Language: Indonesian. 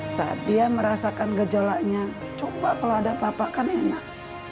saat dia merasakan gejolaknya coba kalau ada papa kan enak